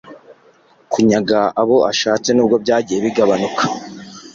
kunyaga abo ashatse n'ubwo byagiye bigabanuka